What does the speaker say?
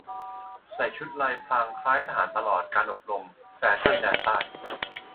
ใส่ชุดลายพรางคล้ายทหารตลอดการอบรม แฟชั่นแดนใต้